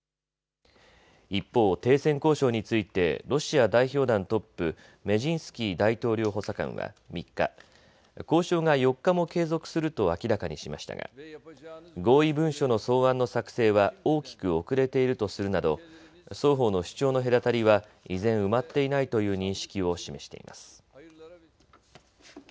一方、停戦交渉についてロシア代表団トップ、メジンスキー大統領補佐官は３日、交渉が４日も継続すると明らかにしましたが合意文書の草案の作成は大きく遅れているとするなど双方の主張の隔たりは依然、埋まっていないという認識を示しています。